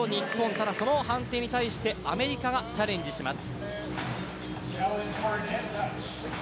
ただ、その判定に対してアメリカがチャレンジします。